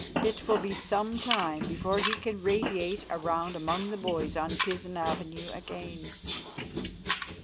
It will be some time before he can radiate around among the boys on Pizen avenue again.